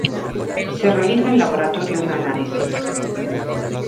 Se realiza en laboratorio un análisis.